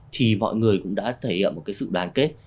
thì mọi người cũng đã thể hiện một sự đoàn kết